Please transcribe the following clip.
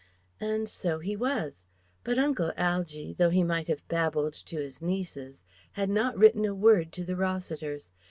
And so he was. But Uncle Algy, though he might have babbled to his nieces, had not written a word to the Rossiters.